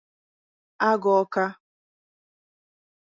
Agụ Awka